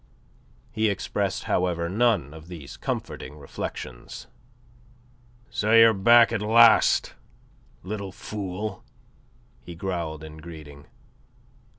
He expressed, however, none of these comforting reflections. "So you're back at last, little fool," he growled in greeting.